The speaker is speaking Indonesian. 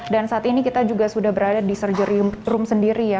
dan saat ini kita juga sudah berada di surgery room sendiri ya